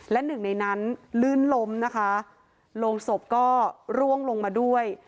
และหนึ่งในนั้นลื่นล้มนะคะโรงศพก็ร่วงลงมาด้วย